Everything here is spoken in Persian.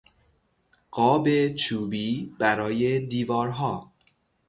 قاب چوبی برای دیوارها